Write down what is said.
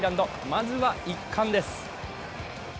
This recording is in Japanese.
まずは１冠です。